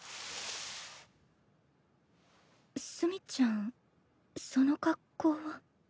炭ちゃんその格好は。